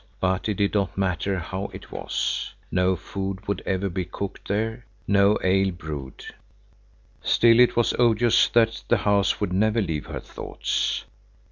But it did not matter how it was. No food would ever be cooked there, no ale brewed. Still it was odious that the house would never leave her thoughts.